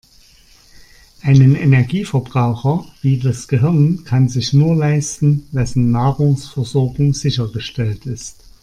Einen Energieverbraucher wie das Gehirn kann sich nur leisten, wessen Nahrungsversorgung sichergestellt ist.